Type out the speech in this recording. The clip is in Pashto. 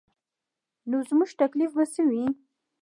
نو زموږ تکلیف به څه وي.